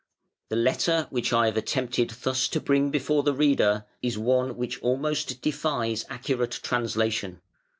The letter which I have attempted thus to bring before the reader is one which almost defies accurate translation.